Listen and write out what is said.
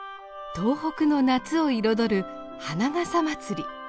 東北の夏を彩る花笠まつり。